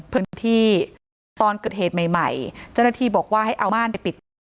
พื้นที่ตอนเกิดเหตุใหม่ใหม่เจ้าหน้าที่บอกว่าให้เอาม่านไปปิดปาก